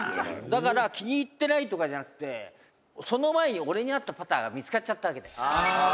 「だから気に入ってないとかじゃなくてその前に俺に合ったパターが見付かっちゃったわけだよ」